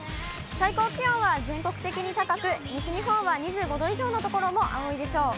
最高気温は全国的に高く、西日本は２５度以上の所も多いでしょう。